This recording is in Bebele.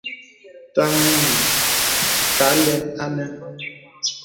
Taŋi nī kǎ ālɛn anə̄.